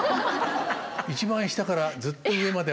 一番下からずっと上まで。